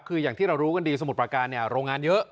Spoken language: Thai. คืออย่างที่เรารู้กันดีสมุทรประการเนี่ยโรงงานเยอะ